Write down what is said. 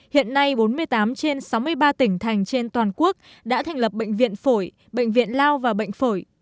hiện nay bốn mươi tám trên sáu mươi ba tỉnh thành trên toàn quốc đã thành lập bệnh viện phổi bệnh viện lao và bệnh phổi